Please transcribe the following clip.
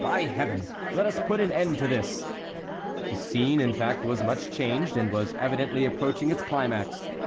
By Heaven! let us put an end to this!" The scene in fact was much changed and was evidently approaching its climax.